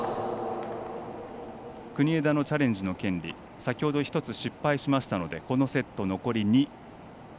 国枝のチャレンジの権利先ほど１つ失敗しましたのでこのセットは、残り２。